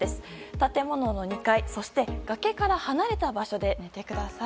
建物の２階そして崖から離れた場所で寝てください。